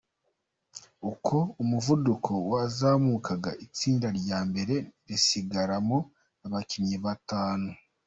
Uko umuvuduko wazamukaga itsinda ry’imbere risigaramo abakinnyi batanu.